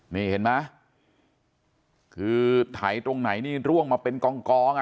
นี่เห็นไหมคือไถตรงไหนนี่ร่วงมาเป็นกองกองอ่ะ